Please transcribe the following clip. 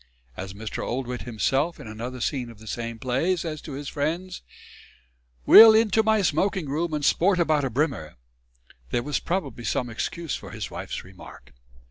As Mr. Oldwit himself, in another scene of the same play, says to his friends, "We'll into my smoking room and sport about a brimmer," there was probably some excuse for his wife's remark.